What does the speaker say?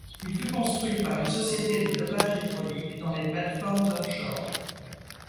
Il fut construit par une société de levage hydraulique dans les plateformes offshore.